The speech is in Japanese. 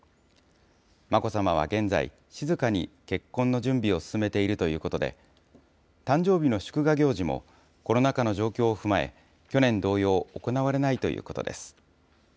眞子さまは現在、静かに結婚の準備を進めているということで、誕生日の祝賀行事もコロナ禍の状況を踏まえ、去年同様、行われないということです。